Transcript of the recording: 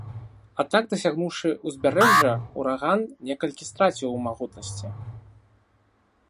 Аднак дасягнуўшы ўзбярэжжа, ураган некалькі страціць у магутнасці.